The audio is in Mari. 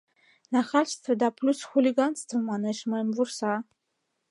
Нахальство да плюс хулиганство, — манеш, мыйым вурса.